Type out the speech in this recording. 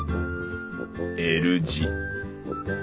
Ｌ字。